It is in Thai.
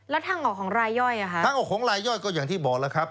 แล้วทางออกของรายย่อยอ่ะค่ะทางออกของรายย่อยก็อย่างที่บอกแล้วครับ